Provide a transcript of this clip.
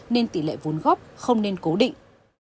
nên tỷ lệ vốn góp không nên cố định